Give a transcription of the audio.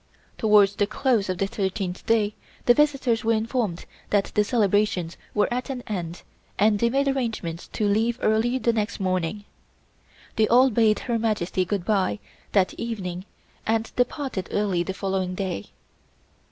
Towards the close of the thirteenth day the visitors were informed that the celebrations were at an end and they made arrangements to leave early the next morning. They all bade Her Majesty good bye that evening and departed early the following day.